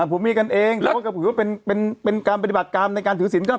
อ่าผู้มีกันเองเหลือว่าก็คือว่าเป็นการบริบัติการในการถือศีลก็